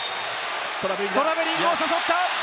トラベリングを誘った！